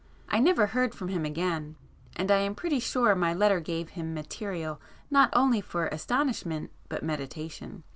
I never heard from him again, and I am pretty sure my letter gave him material not only for astonishment but meditation.